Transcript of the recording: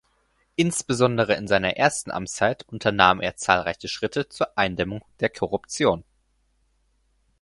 Insbesondere in seiner ersten Amtszeit unternahm er zahlreiche Schritte zur Eindämmung der Korruption.